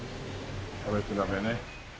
食べ比べね。